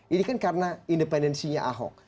ini kan karena independensinya ahok